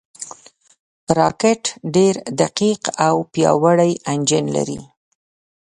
راکټ ډېر دقیق او پیاوړی انجن لري